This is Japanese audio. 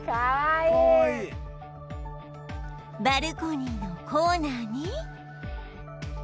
バルコニーのコーナーに